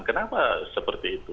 kenapa seperti itu